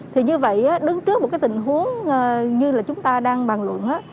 thì như vậy đứng trước một cái tình huống như là chúng ta đang bàn luận